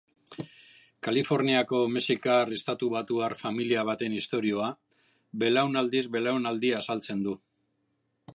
Kaliforniako mexikar estatubatuar familia baten istorioa belaunaldiz-belaunaldi azaltzen du.